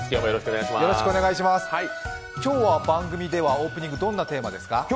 今日は番組ではオープニングどんなテーマですか？